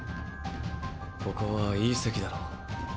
ここはいい席だ。